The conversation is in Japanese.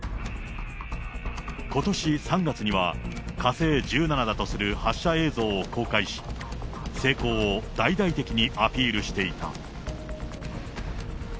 ことし３月には、火星１７だとする発射映像を公開し、成功を大々的にアピールしていた。